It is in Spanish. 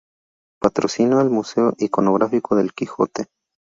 Patrocinó el Museo Iconográfico del Quijote.